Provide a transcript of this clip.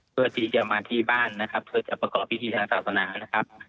เพื่อที่จะมาที่บ้านนะครับเพื่อจะประกอบพิธีทางศาสนานะครับ